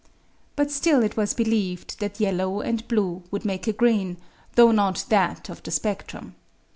But still it was believed that yellow and blue would make a green, though not that of the spectrum.